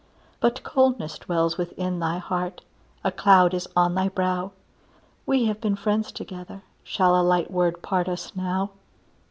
But coldness dwells within thy heart, A cloud is on thy brow; We have been friends together, Shall a light word part us now?